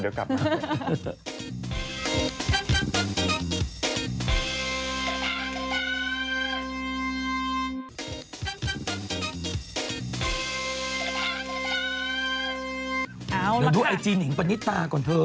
เหลือดูไอจีนิ้งประณิตาก่อนเถิม